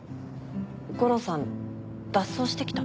悟郎さん脱走してきたの？